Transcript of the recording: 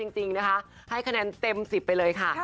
จริงนะคะให้คะแนนเต็ม๑๐ไปเลยค่ะ